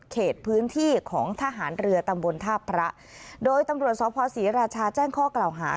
เขตพื้นที่ของทหารเรือตำบลท่าพระโดยตำรวจสภศรีราชาแจ้งข้อกล่าวหา